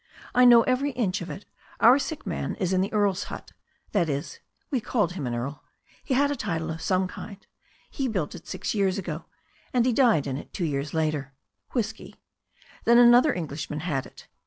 "I know every inch of it. Our sick man is in the earl's hut — that is, we called him the earl. He had a title of some kind. He built it six years ago, and he died in it two years later — whisky. Then another Englishman had it.